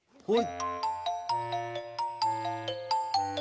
はい！